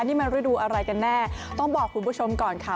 นี่มันฤดูอะไรกันแน่ต้องบอกคุณผู้ชมก่อนค่ะ